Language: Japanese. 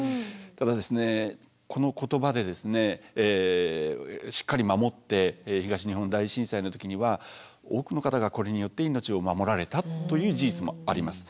ただこの言葉でしっかり守って東日本大震災の時には多くの方がこれによって命を守られたという事実もあります。